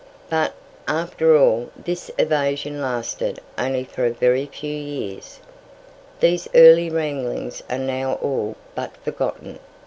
But, after all, this evasion lasted only for a very few years. These early wranglings are now all but forgotten.